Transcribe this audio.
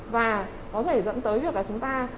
và có thể dẫn tới việc là chúng ta